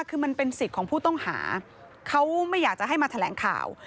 คือมันเป็นสิทธิ์ของผู้ต้องหาเขาไม่อยากจะให้มาแถลงข่าว